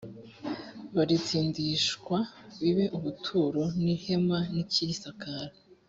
barindishwa bibe ubuturo n ihema n ikirisakara